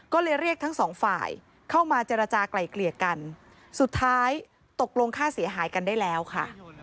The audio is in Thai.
ก็เลยเรียกทั้งสองฝ่ายเข้ามาเจรจากลายเกลี่ยกันสุดท้ายตกลงค่าเสียหายกันได้แล้วค่ะ